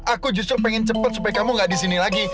aku justru pengen cepet supaya kamu gak disini lagi